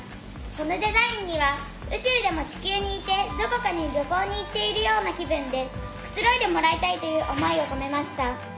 このデザインには宇宙でも地球にいてどこかに旅行に行っているような気分でくつろいでもらいたいという思いを込めました。